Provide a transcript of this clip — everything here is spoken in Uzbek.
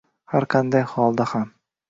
Har qanday holda ham